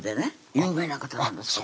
有名な方なんですよ